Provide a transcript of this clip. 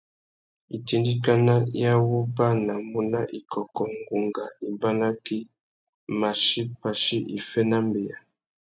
Itindikana i awubanamú na ikôkô, ngunga, ibanakí, machí, pachí, iffê na mbeya.